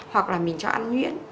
hoặc là mình cho ăn nhuyễn